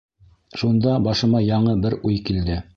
Шунда башыма яңы бер уй килде.